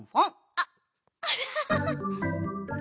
あっアハハハ。